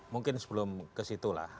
mungkin sebelum ke situ lah